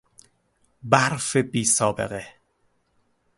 برف بیسابقه